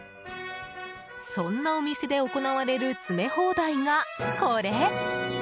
そんなお店で行われる詰め放題が、これ。